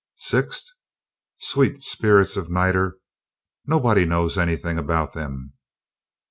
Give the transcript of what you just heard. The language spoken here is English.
"Sixth? Sweet spirits of niter! Nobody knows anything about them.